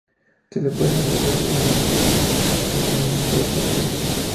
no le pueden hacer eso. nada, y que no suelta prenda.